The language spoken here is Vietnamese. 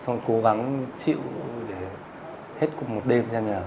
xong cố gắng chịu để hết cùng một đêm ra nhà